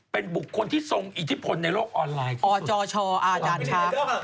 เป็นบุคคลที่ทรงอิทธิพลในโลกออนไลน์อจชอาจารย์ช้าง